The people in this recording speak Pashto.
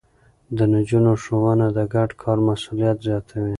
د نجونو ښوونه د ګډ کار مسووليت زياتوي.